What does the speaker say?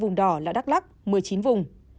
vùng đỏ là đắk lắc một mươi chín vùng